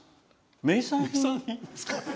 名産品？